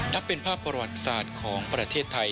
นับเป็นภาพประวัติศาสตร์ของประเทศไทย